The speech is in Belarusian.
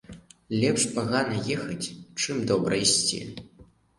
Лепш пагана ехаць, чым добра ісці